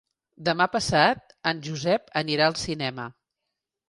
Demà passat en Josep anirà al cinema.